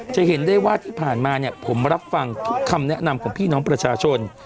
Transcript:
จะเห็นได้ว่าที่ผ่านมาเนี่ยผมรับฟังทุกคำแนะนำของพี่น้องประชาชน